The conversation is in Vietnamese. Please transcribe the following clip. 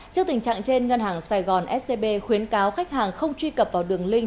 trước tình trạng trên ngân hàng sài gòn scb khuyến cáo khách hàng không truy cập vào đường lin